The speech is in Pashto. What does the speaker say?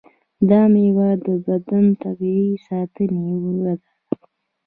دا میوه د بدن طبیعي ساتندوی ده.